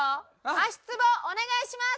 足ツボお願いします！